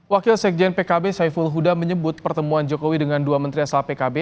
wakil sekjen pkb saiful huda menyebut pertemuan jokowi dengan dua menteri asal pkb